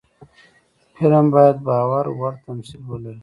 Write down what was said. فلم باید باور وړ تمثیل ولري